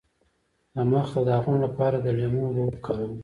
د مخ د داغونو لپاره د لیمو اوبه وکاروئ